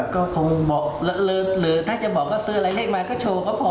ก็คงบอกหรือถ้าจะบอกว่าซื้ออะไรเลขมาก็โชว์ก็พอ